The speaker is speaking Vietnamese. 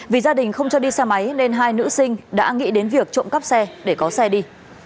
vì gia đình không cho đi xe máy nên hai nữ sinh đã nghĩ đến việc trộm cắp xe để có xe đi